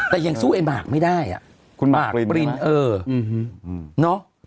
แต่ยังตุ่มตาเมื่ออื่น